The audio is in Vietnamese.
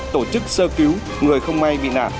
tổ chức sơ cứu người không may bị nạ